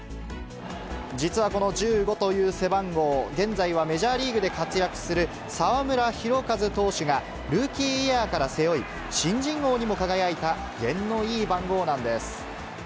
実はこの１５という背番号、現在はメジャーリーグで活躍する澤村拓一投手がルーキーイヤーから背負い、新人王にも輝いた験のいい番号なんです。